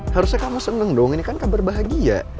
harusnya kamu seneng dong ini kan kabar bahagia